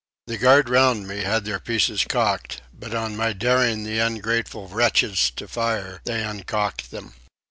The guard round me had their pieces cocked, but on my daring the ungrateful wretches to fire they uncocked them.